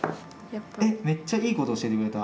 めっちゃいいこと教えてくれた。